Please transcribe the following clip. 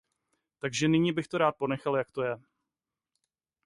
Takže nyní bych to rád ponechal, jak to je.